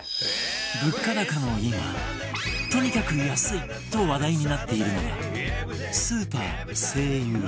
物価高の今「とにかく安い！」と話題になっているのがスーパー ＳＥＩＹＵ